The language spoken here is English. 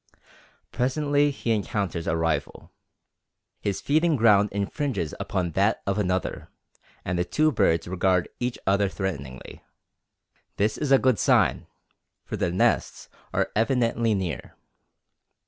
Presently he encounters a rival. His feeding ground infringes upon that of another, and the two birds regard each other threateningly. This is a good sign, for their nests are evidently near.